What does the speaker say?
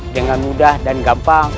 dengan mudah dan gampang